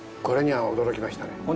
これには驚きましたね。